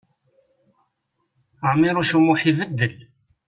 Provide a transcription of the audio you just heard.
Ɛmiṛuc U Muḥ ibeddel.